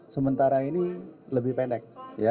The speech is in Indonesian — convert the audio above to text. sementara ini lebih pendek